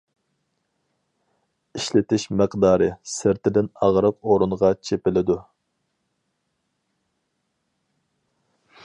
ئىشلىتىش مىقدارى: سىرتىدىن ئاغرىق ئورۇنغا چېپىلىدۇ.